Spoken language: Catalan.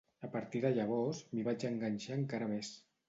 A partir de llavors m’hi vaig enganxar encara més.